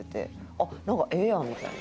あっなんかええやんみたいな。